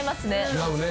違うね。